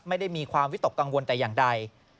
ไม่ได้มีความวิตกกังวลแต่อย่างใด